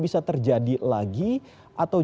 bisa terjadi lagi atau